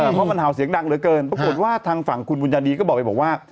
เพราะมันเห่าเสียงดังเหลือเกินปรากฏว่าทางฝั่งคุณบุญญานีก็บอกไปบอกว่า